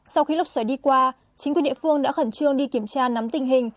sau khi lốc xoáy đi qua chính quyền địa phương đã khẩn trương đi kiểm tra nắm tình hình